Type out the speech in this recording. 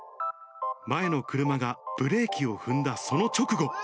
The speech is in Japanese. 前の車がブレーキを踏んだその直後。